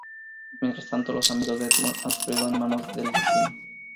Mientras tanto, los amigos de Edmond han sufrido en manos del destino.